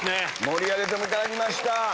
盛り上げていただきました！